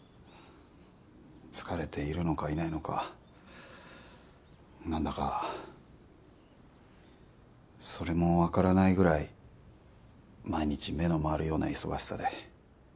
疲れているのかいないのかなんだかそれもわからないぐらい毎日目の回るような忙しさで。